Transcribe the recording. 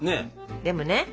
でもね